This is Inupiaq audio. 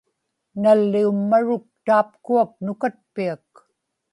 nalliumaruk taapkuak nukatpiak